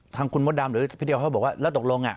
ทางคุณมดดำหรือพี่เดียวเขาบอกว่าแล้วตกลง